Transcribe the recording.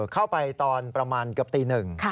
เข้าไปตอนประมาณเกือบตีหนึ่ง